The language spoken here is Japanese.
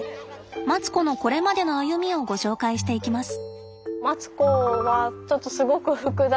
マツコのこれまでの歩みをご紹介していきます。